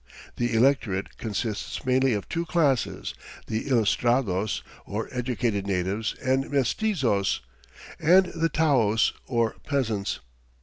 The electorate consists mainly of two classes, the ilustrados, or educated natives and mestizos, and the taos, or peasants.